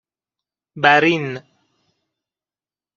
بَرین